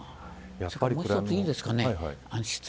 もう一つ、いいですかね。